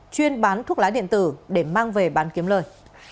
chuyên bán thuốc lá điện tử để mang về bán kiếm lời